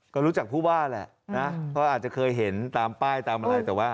ก็รู้จักผู้ว่าแหละนะก็อาจจะเคยเห็นตามป้ายตามอะไรแต่ว่า